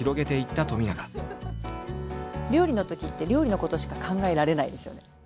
料理のときって料理のことしか考えられないですよね。